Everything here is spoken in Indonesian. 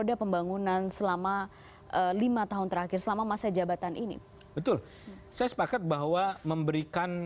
tapi bagaimana bisa memastikan